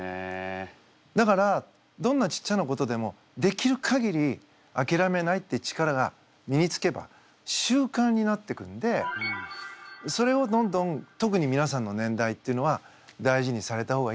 だからどんなちっちゃなことでもできるかぎりあきらめないって力が身につけば習慣になっていくんでそれをどんどん特にみなさんの年代っていうのは大事にされた方がいいなって思います。